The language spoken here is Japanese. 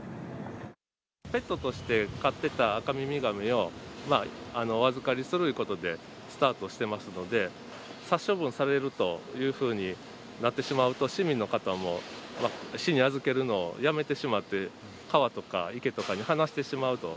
ペットとして飼ってたアカミミガメをお預かりするいうことで、スタートしてますので、殺処分されるというふうになってしまうと、市民の方も市に預けるのをやめてしまって、川とか池とかに放してしまうと。